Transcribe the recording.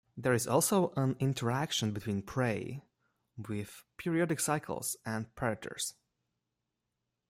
There is also an interaction between prey with periodic cycles and predators.